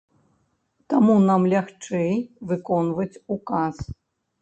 Таму нам лягчэй выконваць указ.